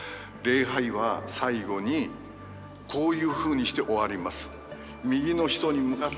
礼拝は最後にこういうふうにして終わります。